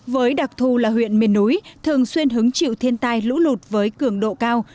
với đặc thù là huyện miền núi thường xuyên hứng chịu thiên tai lũ lụt với cường độ cao